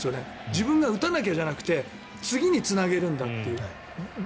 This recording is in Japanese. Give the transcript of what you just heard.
自分が打たなきゃじゃなくて次につなげるんだという。